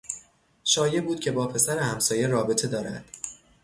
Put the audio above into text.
شایع بود که با پسر همسایه رابطه دارد.